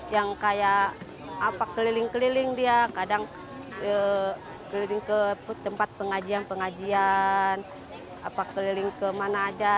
yang kayak keliling keliling dia kadang keliling ke tempat pengajian pengajian keliling kemana aja